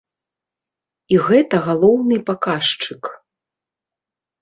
І гэта галоўны паказчык.